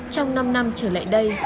trong năm năm trở lại đây